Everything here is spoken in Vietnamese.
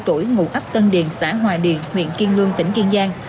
hai mươi tuổi ngụ ấp tân điền xã hòa điền huyện kiên luân tỉnh kiên giang